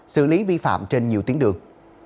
xử lý vi phạm trên nhiều tuyến đường